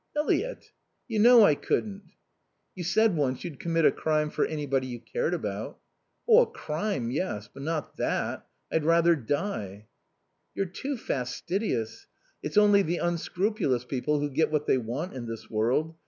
"Eliot, you know I couldn't." "You said once you'd commit a crime for anybody you cared about." "A crime, yes. But not that. I'd rather die." "You're too fastidious. It's only the unscrupulous people who get what they want in this world.